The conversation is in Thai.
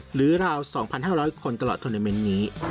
หรือราว๒๕๐๐คนตลอดธนิเมนนี้